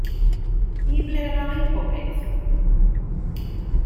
I ble'r ai popeth?